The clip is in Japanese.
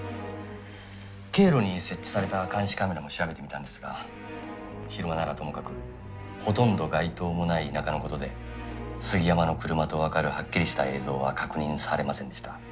経路に設置された監視カメラも調べてみたんですが昼間ならともかくほとんど街頭もない田舎のことで杉山の車と分かるはっきりした映像は確認されませんでした。